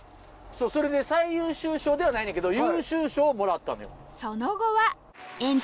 それで最優秀賞ではないねんけど優秀賞をもらったのよ。